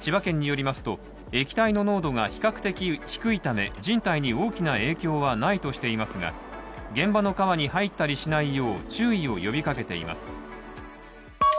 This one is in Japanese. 千葉県によりますと、液体の濃度が比較的低いため、人体に大きな影響はないとしていますが、現場の川に入ったりしないよう注意を呼びかけています。